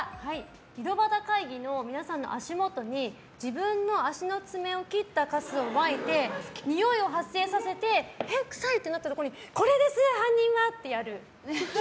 井戸端会議の皆さんの足元に自分の足の爪を切ったカスをまいてにおいを発生させてくさい！ってなった時にこれです、犯人は！ってやる。